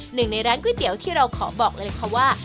หนึ่งในร้านก๋วยเตี๋ยวที่เราขอบอกเลยค่ะว่า